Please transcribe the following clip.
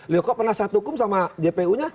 lihat kok penasihat hukum sama jpu nya